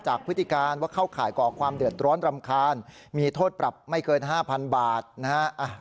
พฤติการว่าเข้าข่ายก่อความเดือดร้อนรำคาญมีโทษปรับไม่เกิน๕๐๐๐บาทนะฮะ